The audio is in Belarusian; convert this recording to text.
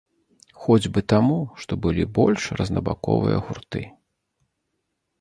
Хоць бы таму, што былі больш рознабаковыя гурты.